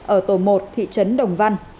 ở tổ một thị trấn đồng văn